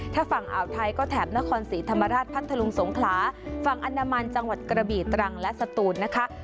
ถ้าฝั่งอ่าวไทยก็แถบนครศรีธรรมราชพัทธลุงสงขลาฝั่งอนามันจังหวัดกระบีตรังและสตูนนะคะ